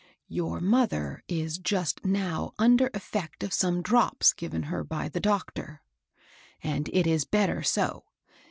" Your mother is just now under effect of some drops given her by the doctor ; and it is better so.